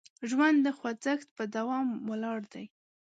ژوند د خوځښت په دوام ولاړ دی.